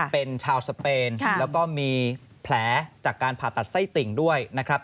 เป็นชาวสเปนแล้วก็มีแผลจากการผ่าตัดไส้ติ่งด้วยนะครับ